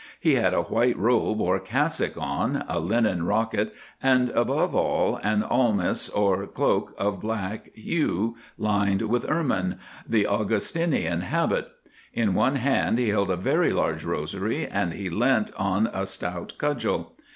He had a white robe or cassock on, a linen rocket, and, above all, an almuce or cloak of black hue lined with ermine The Augustinian Habit. In one hand he held a very large rosary, and he lent on a stout cudgel.